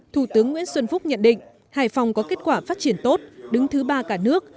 thủ tướng nguyễn xuân phúc nhận định hải phòng có kết quả phát triển tốt đứng thứ ba cả nước